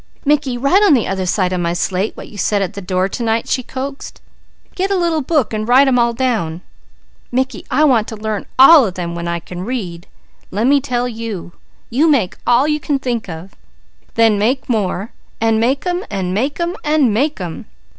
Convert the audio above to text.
"Mickey, write on the other side of my slate what you said at the door to night," she coaxed. "Get a little book an' write 'em all down. Mickey, I want to learn all of them, when I c'n read. Lemme tell you. You make all you c'n think of. Nen make more. An' make 'em, an' make 'em!